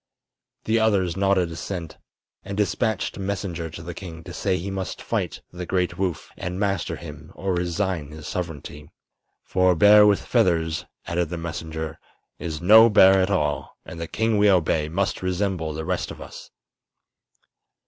The others nodded assent, and dispatched a messenger to the king to say he must fight the great Woof and master him or resign his sovereignty. "For a bear with feathers," added the messenger, "is no bear at all, and the king we obey must resemble the rest of us."